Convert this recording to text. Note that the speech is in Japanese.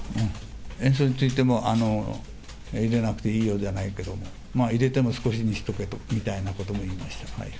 塩素についても、入れなくていいよじゃないけども、入れても少しにしとけみたいなことも言いました。